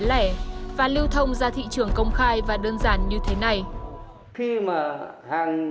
nhập lậu hàng trung quốc được bày bán tập trung công khai cũng diễn ra tại nhiều cửa hàng khác nhau